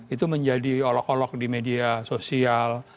itu menjadi olok olok di media sosial